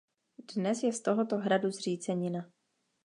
Dnes je z tohoto hradu zřícenina.